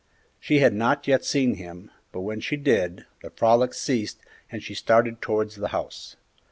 She had not yet seen him; but when she did, the frolic ceased and she started towards the house.